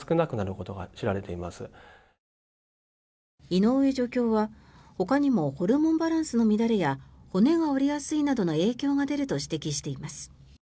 井上助教は、ほかにもホルモンバランスの乱れや骨が折れやすいなどの影響が出ると指摘しています。